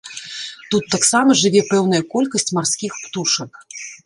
Тут таксама жыве пэўная колькасць марскіх птушак.